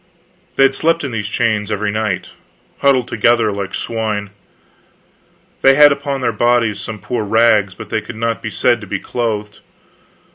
They had slept in these chains every night, bundled together like swine. They had upon their bodies some poor rags, but they could not be said to be clothed.